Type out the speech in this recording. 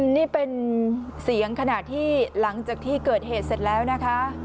นี่เป็นเสียงขณะที่หลังจากที่เกิดเหตุเสร็จแล้วนะคะ